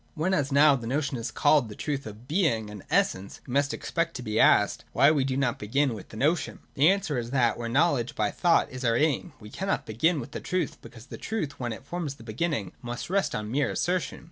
When, as now, the notion is called the truth of Being and Essence, we must expect to be asked, why we do not begin with the notion ? The answer is that, where knowledge by thought is our aim, we cannot begin with the truth, because the truth, when it forms the beginning, must rest on mere assertion.